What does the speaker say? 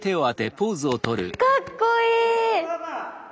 かっこいい！